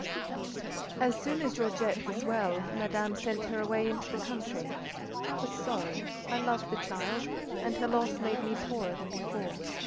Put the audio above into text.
As soon as Georgette was well, Madame sent her away into the country. I was sorry; I loved the child, and her loss made me poorer than before.